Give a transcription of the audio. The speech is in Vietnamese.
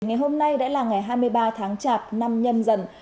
ngày hôm nay đã là ngày hai mươi ba tháng chạp năm nhâm dần